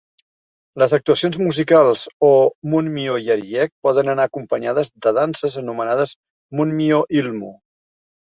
Les actuacions musicals o "munmyo jeryeak" poden anar acompanyades de danses anomenades "munmyo ilmu".